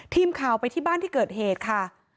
ทีมข่าวไปที่บ้านที่เกิดเหตุค่ะ